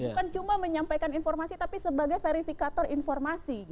bukan cuma menyampaikan informasi tapi sebagai verifikator informasi